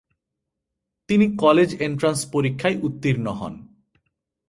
তিনি college entrance পরীক্ষায় উত্তীর্ণ হন।